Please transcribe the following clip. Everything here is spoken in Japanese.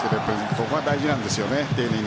そこが大事なんですよね。